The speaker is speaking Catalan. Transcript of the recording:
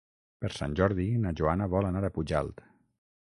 Per Sant Jordi na Joana vol anar a Pujalt.